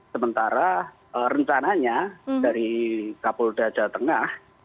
sementara rencananya dari kapol dada tengah